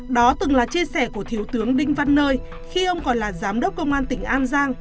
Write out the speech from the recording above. đó từng là chia sẻ của thiếu tướng đinh văn nơi khi ông còn là giám đốc công an tỉnh an giang